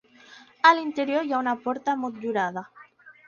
A l'interior hi ha una porta motllurada.